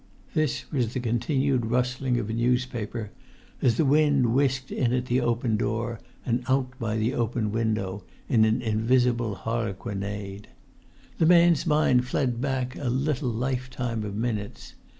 This was the continued rustling of a newspaper, as the wind whisked in at the open door and out by the open win[Pg 28]dow in invisible harlequinade. The man's mind fled back a little lifetime of minutes.